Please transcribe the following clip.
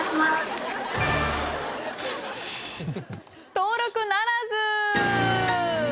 登録ならず！